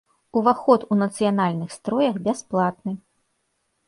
Уваход у нацыянальных строях бясплатны.